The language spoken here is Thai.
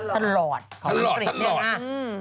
ท่านหลอดท่านหลอด